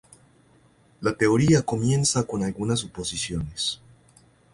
La teoría comienza con algunas suposiciones.